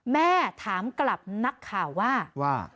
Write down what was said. แม่ถามกลับนักข่าวว่าว่า